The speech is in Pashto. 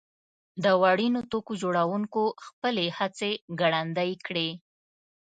د وړینو توکو تولیدوونکو خپلې هڅې ګړندۍ کړې.